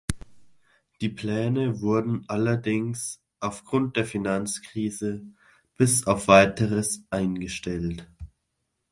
Die Pläne wurden allerdings aufgrund der Finanzkrise bis auf Weiteres eingestellt.